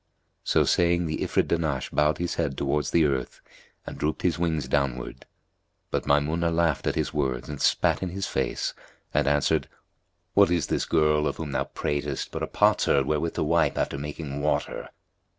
So saying, the Ifrit Dahnash bowed his head towards the earth and drooped his wings downward; but Maymunah laughed at his words and spat in his face and answered, "What is this girl of whom thou pratest but a potsherd wherewith to wipe after making water?